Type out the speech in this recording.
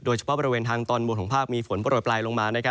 โดยเฉพาะบริเวณทางตอนบนของภาคมีฝนโปรดปลายลงมา